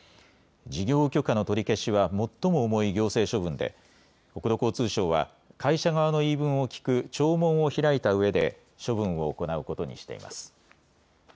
事業許可の取り消しは最も重い行政処分で国土交通省は会社側の言い分を聞く聴聞を開いたうえで処分を行うことにしています。